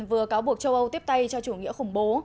vừa cáo buộc châu âu tiếp tay cho chủ nghĩa khủng bố